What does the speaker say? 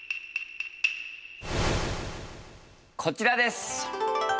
こちらです。